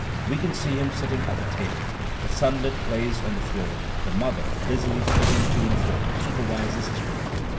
We can see him sitting at the table: the sunlight plays on the floor; the mother, busily flitting to and fro, supervises his work.